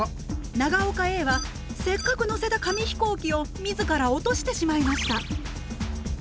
長岡Ａはせっかくのせた紙飛行機を自ら落としてしまいました。